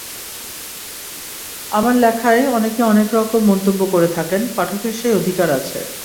আমার লেখায় অনেকে অনেক রকম মন্তব্য করে থাকেন, পাঠকের সেই অধিকার আছে।